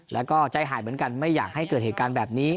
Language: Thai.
แล้วก็ใจหายเหมือนกันไม่อยากให้เกิดเหตุการณ์แบบนี้